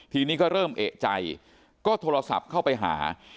ทีนี้ก็เริ่มเอกใจก็โทรศัพท์เข้าไปหา